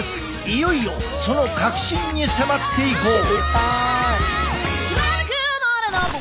いよいよその核心に迫っていこう！